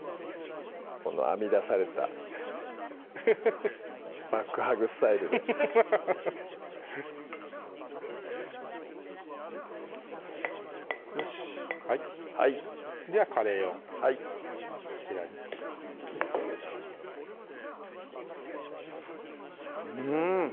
この編み出されたハハハバックハグスタイルでハハハハよしっはいではカレーをそちらにうん！